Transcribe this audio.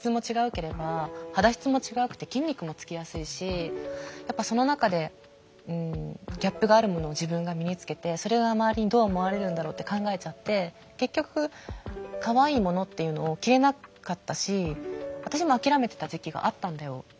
ければ肌質も違くて筋肉もつきやすいしやっぱその中でギャップがあるものを自分が身に着けてそれが周りにどう思われるんだろうって考えちゃって結局かわいいものっていうのを着れなかったし私も諦めてた時期があったんだよ。